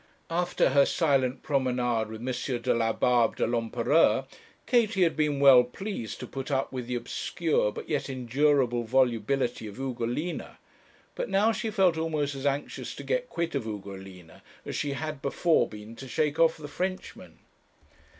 After her silent promenade with M. Delabarbe de l'Empereur, Katie had been well pleased to put up with the obscure but yet endurable volubility of Ugolina; but now she felt almost as anxious to get quit of Ugolina as she had before been to shake off the Frenchman.